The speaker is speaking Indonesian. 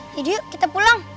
jadi yuk kita pulang